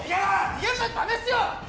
逃げるなんてダメっすよ